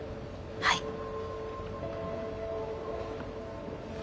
はい。